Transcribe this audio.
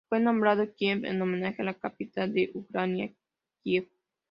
Fue nombrado Kiev en homenaje a la capital de Ucrania, Kiev.